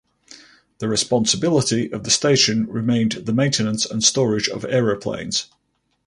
The responsibility of the station remained the maintenance and storage of aeroplanes.